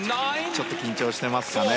ちょっと緊張してますかね。